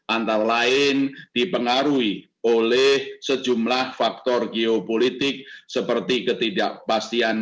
antara lain dipengaruhi oleh sejumlah faktor geopolitik seperti ketidakpastian